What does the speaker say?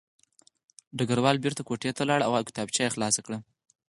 ډګروال بېرته کوټې ته لاړ او کتابچه یې خلاصه کړه